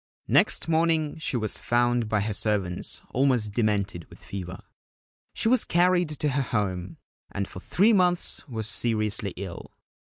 Next morning she was found by her servants almost demented with fever. She was carried to her home, and for three months was seriously ill.